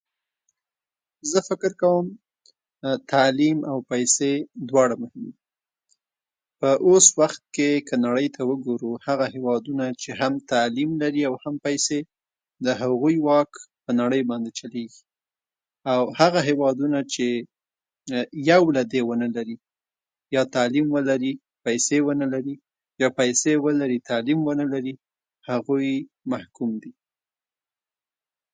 زه فکر کوم تعلیم او پیسې دواړه مهم دي. په اوس وخت کې که نړۍ ته وګورو، هغه هېوادونه چې هم تعلیم لري او هم پیسې، د هغوی واک په نړۍ باندې چلېږي. او هغه هېوادونه چې یو له دې ونه لري، یا تعلیم ولري پیسې ونه لري، یا پیسې ولري تعلیم ونه لري، هغوی محکوم دي.